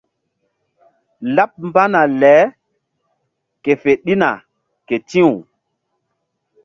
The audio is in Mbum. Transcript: Laɓ mbana le ke fe ɗina ke ti̧w.